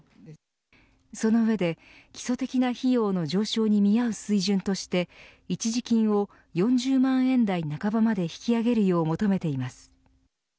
その上で基礎的な費用の上昇に見合う水準として一時金を４０万円台半ばまで引き上げるよう求めています。